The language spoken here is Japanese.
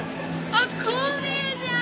あっ孔明じゃん！